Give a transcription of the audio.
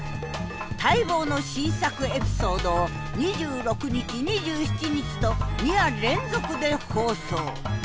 待望の新作エピソードを２６日２７日と２夜連続で放送。